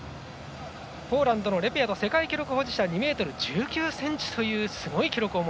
ポーランドのレピアト世界記録保持者２ｍ１９ｃｍというすごい記録。